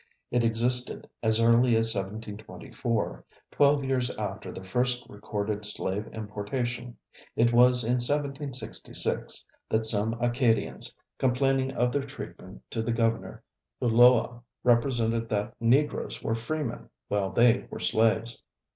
It existed as early as 1724, twelve years after the first recorded slave importation. It was in 1766 that some Acadians, complaining of their treatment to the Governor Ulloa, represented that Negroes were freemen while they were slaves.